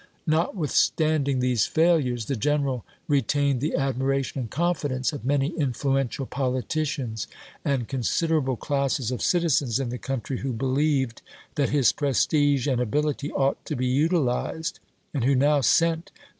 Not withstanding these failures the general retained the admiration and confidence of many influential politicians and considerable classes of citizens in the country who believed that his prestige and ability ought to be utilized, and who now sent the May, 1863.